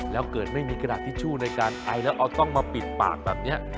แล้วเกิดไม่มีกระดาษทิชชู่ในการไอแล้วเอาต้องมาปิดปากแบบนี้